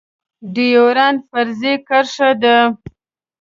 ډيورنډ فرضي کرښه ده